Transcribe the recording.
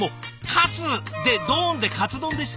「喝！」で「ドーン！」でカツ丼でした。